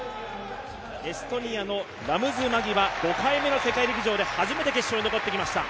エストニアのラムズ・マギは５回目の世界陸上で初めて決勝に残ってきました。